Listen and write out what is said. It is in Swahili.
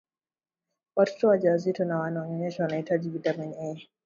watoto wajawazito na wanaonyonyesha wanahitaji vitamini A